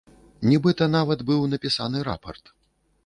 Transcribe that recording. Нібыта нават быў напісаны рапарт.